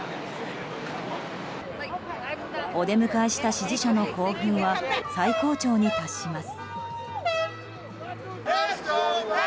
お出迎えした支持者の興奮は最高潮に達します。